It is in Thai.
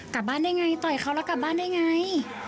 กลับบ้านได้ไงต่อยเขาแล้วกลับบ้านได้ไง